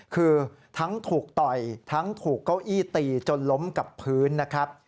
คือทั้งถูกต่อยทั้งถูกเก้าอี้ตีจนล้มกับพื้นนะครับ